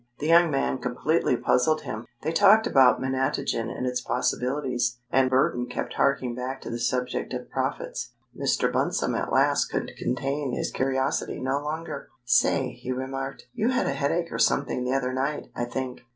The young man completely puzzled him. They talked about Menatogen and its possibilities, and Burton kept harking back to the subject of profits. Mr. Bunsome at last could contain his curiosity no longer. "Say," he remarked, "you had a headache or something the other night, I think?